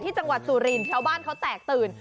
ที่จังหวัดซูรินชาวบ้านเขาแตกตื่น